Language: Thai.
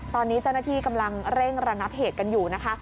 ตอนนี้เจ้าหน้าที่กำลังเร่งระงับเหตุกันอยู่นะคะ